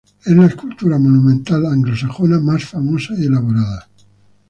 Es la escultura monumental anglosajona más famosa y elaborada.